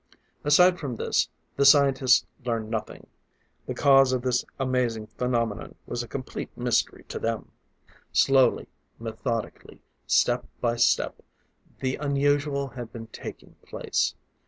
Aside from this, the scientists learned nothing; the cause of this amazing phenomenon was a complete mystery to them. Slowly, methodically, step by step, the unusual had been taking place.